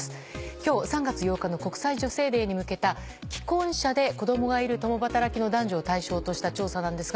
今日３月８日の国際女性デーに向けた既婚者で子供がいる共働きの男女を対象とした調査なんですが。